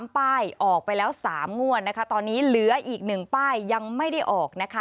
๓ป้ายออกไปแล้ว๓งวดตอนนี้เหลืออีกหนึ่งป้ายยังไม่ได้ออก